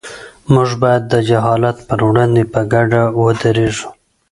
موږ باید د جهالت پر وړاندې په ګډه ودرېږو.